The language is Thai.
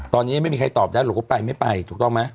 ตอนนี้ยังไม่มีใครตอบได้หรอกว่าไปไม่ไปถูกต้องไหม